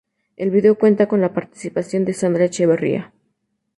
El video cuenta con la participación de Sandra Echeverría.